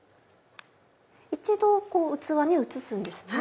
一度器に移すんですね。